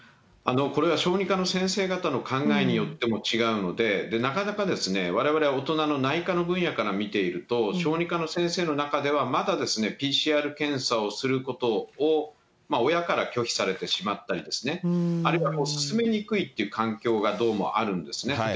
これは小児科の先生方の考えによっても違うので、なかなかわれわれ大人の内科の分野から見ていると、小児科の先生の中では、まだＰＣＲ検査をすることを、親から拒否されてしまったりですね、あるいは勧めにくいという環境がどうもあるんですね。